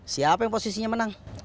siapa yang posisinya menang